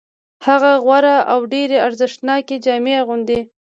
هغه غوره او ډېرې ارزښتناکې جامې اغوندي